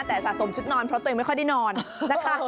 แต่สะสมชุดนอนเพราะตัวเองไม่ค่อยได้นอนนะคะ